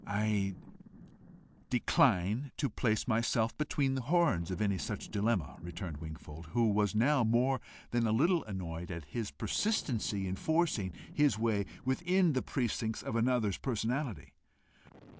"I decline to place myself between the horns of any such dilemma," returned Wingfold, who was now more than a little annoyed at his persistency in forcing his way within the precincts of another's personality.